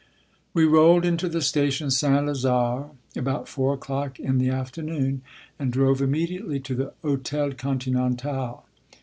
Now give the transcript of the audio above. We rolled into the station Saint Lazare about four o'clock in the afternoon and drove immediately to the Hôtel Continental.